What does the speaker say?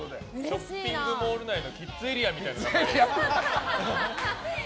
ショッピングモール内のキッズエリアみたいですね。